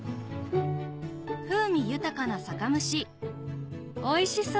風味豊かな酒蒸しおいしそう！